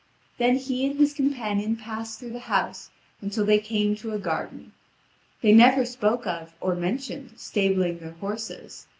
Then he and his companion passed through the house until they came to a garden. They never spoke of, or mentioned, stabling their horses.